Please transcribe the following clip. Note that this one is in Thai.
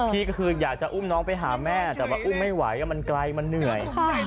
พี่ก็คืออยากจะอุ้มน้องไปหาแม่แต่ว่าอุ้มไม่ไหวมันไกลมันเหนื่อย